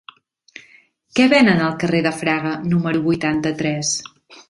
Què venen al carrer de Fraga número vuitanta-tres?